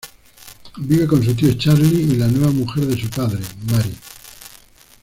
Vive con su tío Charly y la nueva mujer de su padre, Mary.